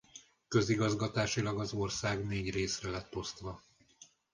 Közigazgatásilag az ország négy részre lett osztva.